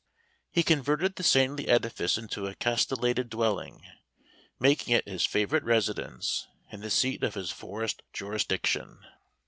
He converted the saintly edifice into a castellated dwelling, making it his favorite residence and the seat of his forest jurisdiction.